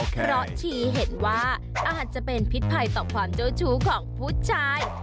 เพราะชี้เห็นว่าอาจจะเป็นพิษภัยต่อความเจ้าชู้ของผู้ชาย